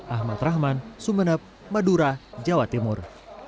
ahmad rahman sumeneb madura jawa timur